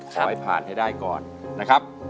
ขอให้ผ่านให้ได้ก่อนนะครับ